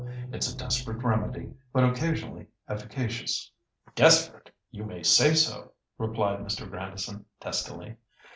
It's a desperate remedy, but occasionally efficacious." "Desperate! You may say so," replied Mr. Grandison, testily.